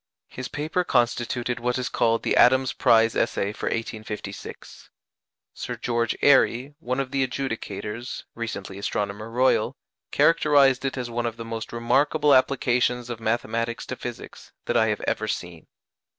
His paper constituted what is called "The Adams Prize Essay" for 1856. Sir George Airy, one of the adjudicators (recently Astronomer Royal), characterized it as "one of the most remarkable applications of mathematics to physics that I have ever seen."